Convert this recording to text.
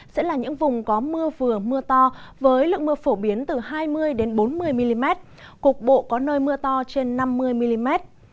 sẽ là những vùng có mưa vừa mưa to với lượng mưa phổ biến từ hai mươi bốn mươi mm cục bộ có nơi mưa to trên năm mươi mm